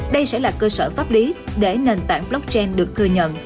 đây sẽ là cơ sở pháp lý để nền tảng blockchain được thừa nhận